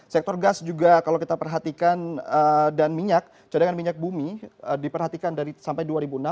sektor gas juga kalau kita perhatikan dan minyak cadangan minyak bumi diperhatikan dari sampai dua ribu enam belas